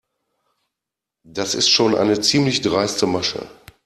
Das ist schon eine ziemlich dreiste Masche.